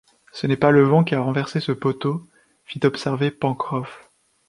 Ce n’est pas le vent qui a renversé ce poteau, fit observer Pencroff.